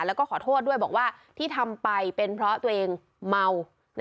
แล้วก็ขอโทษด้วยบอกว่าที่ทำไปเป็นเพราะตัวเองเมา